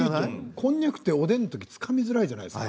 こんにゃくっておでんのときつかみづらいじゃないですか。